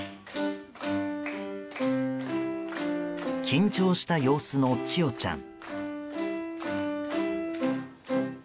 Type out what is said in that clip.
緊張した様子の千与ちゃん。